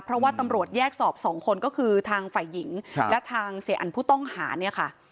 เพราะว่าตำรวจแยกสอบสองคนก็คือทางฝ่ายหญิงและทางเสียอันผู้ต้องหาเนี่ยค่ะ